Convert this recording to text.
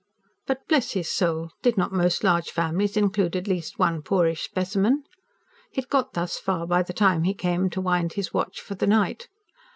But, bless his soul! did not most large families include at least one poorish specimen? he had got thus far, by the time he came to wind up his watch for the night.